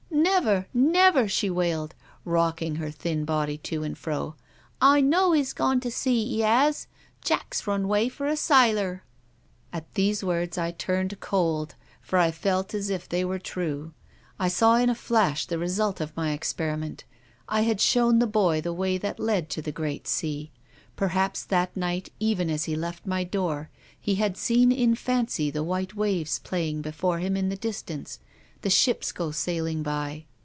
"' Never, never,' she wailed, rocking her thin body to and fro, ' I know 'e's gone to sea, 'e 'as. Jack's run away fur a sailor.' " At these words I turned cold, for I felt as if they were true. I saw in a flash the result of my experiment. I had shown the boy the way that led to the great sea. Perhaps that night, even as he left my door, he had seen in fancy the white waves playing before him in the distance, the ships go sailing by.